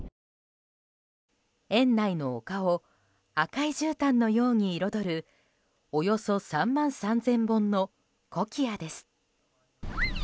園内の丘を赤いじゅうたんのように彩るおよそ３万３０００本のコキアです。